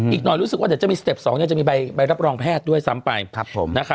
อีกหน่อยรู้สึกว่าเดี๋ยวจะมีสเต็ป๒จะมีใบรับรองแพทย์ด้วยซ้ำไป